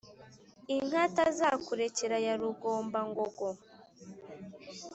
inkatazakurekera ya rugombangogo